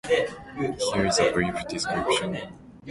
Here is a brief description.